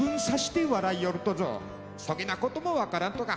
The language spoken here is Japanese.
「そげなことも分からんとが」